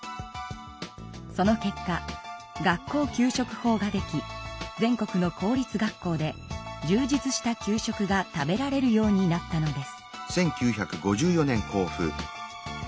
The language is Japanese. その結果学校給食法ができ全国の公立学校でじゅう実した給食が食べられるようになったのです。